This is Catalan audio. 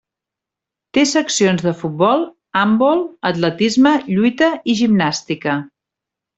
Té seccions de futbol, handbol, atletisme, lluita, i gimnàstica.